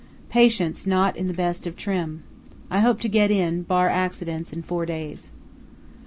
Patients not in the best of trim. I hope to get in, bar accidents, in four days.